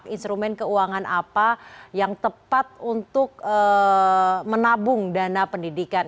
instrumen keuangan apa yang tepat untuk menabung dana pendidikan